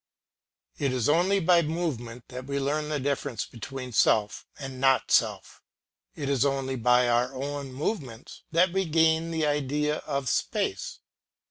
It is only by movement that we learn the difference between self and not self; it is only by our own movements that we gain the idea of space.